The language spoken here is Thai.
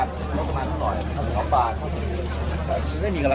จำลงเข้าได้ป่ะ